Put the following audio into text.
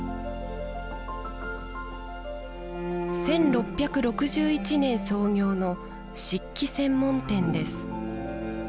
１６６１年創業の漆器専門店です。